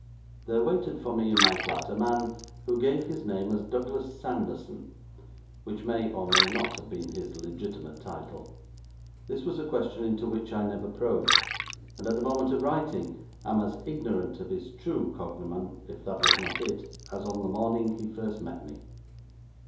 There waited upon me in my flat a man who gave his name as Douglas Sanderson, which may or may not have been his legitimate title. This was a question into which I never probed, and at the moment of writing am as ignorant of his true cognomen, if that was not it, as on the morning he first met me.